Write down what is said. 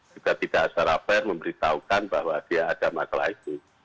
tidak secara fair memberitahukan bahwa dia ada makalah itu